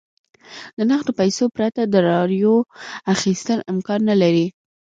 د نغدو پیسو پرته د رایو اخیستل امکان نه لري.